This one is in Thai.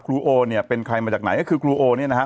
โอเนี่ยเป็นใครมาจากไหนก็คือครูโอเนี่ยนะฮะ